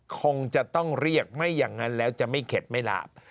คงจะต้องเรียกไม่อย่างนั้นแล้วจะไม่เข็ดไม่หลาบ